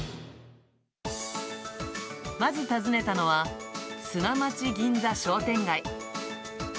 まず訪ねたのは、砂町銀座商店街。